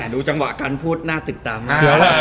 ดูจังหวะการพูดน่าติดตามมาก